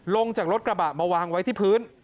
ลงจากรถกระบะมาวางไว้ที่พื้น